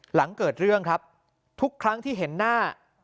หลังเกิดเรื่องครับทุกครั้งที่เห็นหน้า